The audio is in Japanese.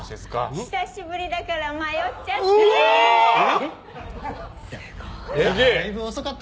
久しぶりだから迷っちゃった。